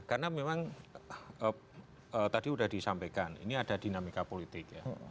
karena memang tadi sudah disampaikan ini ada dinamika politik